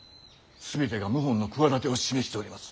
全てが謀反の企てを示しております。